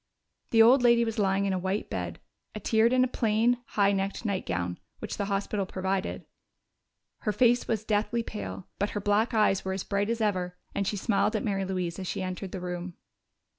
The old lady was lying in a white bed, attired in a plain, high necked nightgown which the hospital provided. Her face was deathly pale, but her black eyes were as bright as ever, and she smiled at Mary Louise as she entered the room.